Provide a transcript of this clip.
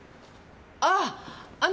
ああ！